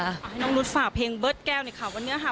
ลองรภาพเพลงเบิร์ดแก้วดีแล้ว